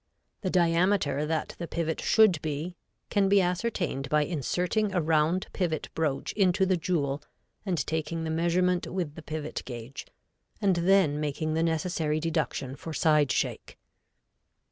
The diameter that the pivot should be, can be ascertained by inserting a round pivot broach into the jewel and taking the measurement with the pivot gauge, and then making the necessary deduction for side shake.